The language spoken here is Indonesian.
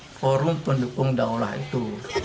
forum pendukung daulah itu